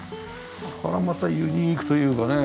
これまたユニークというかね